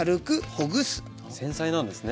繊細なんですね。